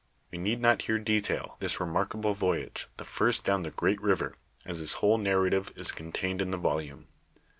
We need not here detail this remarkable voyage, the firet down the great river, as his whole narrative is contained in the volume.